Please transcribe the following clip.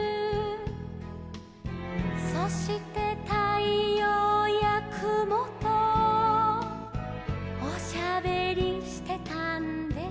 「そしてたいようやくもとおしゃべりしてたんです」